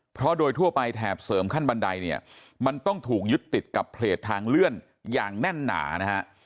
เพราะโดยทั่วไปแถบเสริมขั้นบันไดเนี่ยมันต้องถูกยึดติดกับเพจทางเลื่อนอย่างแน่นหนานะฮะ